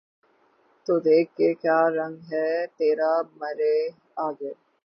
تو دیکھ کہ کیا رنگ ہے تیرا مرے آگے